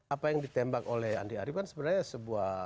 apa yang ditembak oleh andi arief kan sebenarnya sebuah